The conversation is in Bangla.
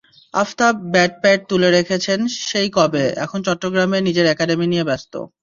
আফতাব ব্যাট-প্যাড তুলে রেখেছেন সেই কবে, এখন চট্টগ্রামে নিজের একাডেমি নিয়ে ব্যস্ত।